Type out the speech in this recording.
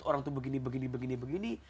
orang tuh begini begini begini